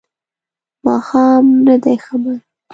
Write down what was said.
ماښام نه دی خبر